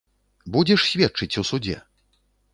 Будзеш сведчыць у судзе?